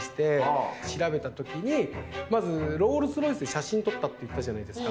まずロールスロイスで写真撮ったって言ったじゃないですか。